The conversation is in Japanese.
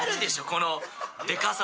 このでかさ。